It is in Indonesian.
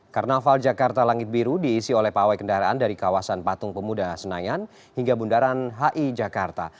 karnaval jakarta langit biru diisi oleh pawai kendaraan dari kawasan patung pemuda senayan hingga bundaran hi jakarta